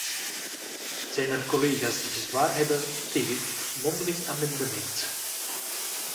Zijn er collega's die bezwaar hebben tegen dit mondeling amendement?